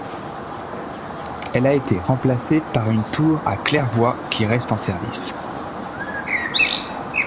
Elle a été remplacée par une tour à claire-voie qui reste en service.